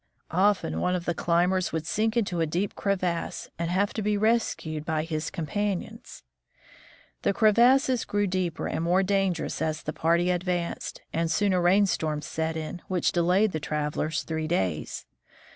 Often one of the climbers would sink into a deep crevasse and have to be rescued by his companions. The crevasses grew deeper and more dangerous as the party advanced, and soon a rain storm set in, which delayed the travelers three days.